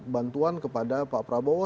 bantuan kepada pak prabowo